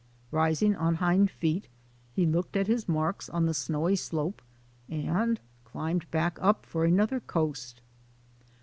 Rising on hind feet he looked at his marks on the snowy slope and climbed back up for another coast.